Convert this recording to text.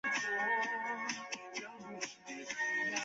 毛阔叶鳞盖蕨为姬蕨科鳞盖蕨属下的一个种。